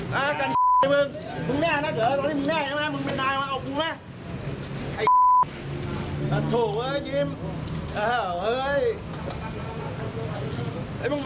มากัน้ำชิบด้วยไอไอ้มึง